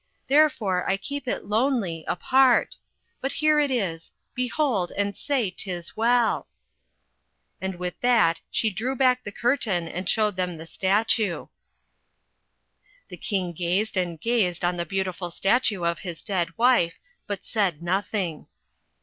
Therefore I keep it lonely, apart. But here it is, r Behold, and say, 'tis well." 76 THE CHILDREN'S SHAKESPEARE. And with that she drew back the curtain and showed them the statue. The King gazed and gazed on the beautiful statue of his dead wife, but said nothing.